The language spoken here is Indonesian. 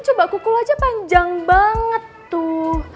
coba kukul aja panjang banget tuh